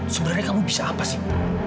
sebenarnya kamu bisa apa sih